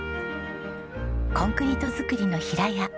コンクリート造りの平屋。